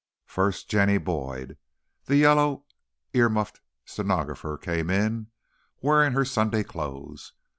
First, Jenny Boyd, the yellow ear muffed stenographer came in, wearing her Sunday clothes.